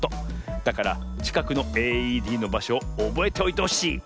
だからちかくのＡＥＤのばしょをおぼえておいてほしい。